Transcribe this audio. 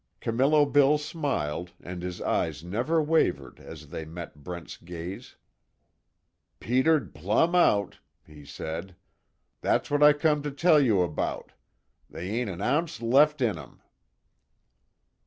Camillo Bill smiled and his eyes never wavered as they met Brent's gaze: "Petered plumb out," he said, "That's what I come to tell you about. They ain't an ounce left in 'em."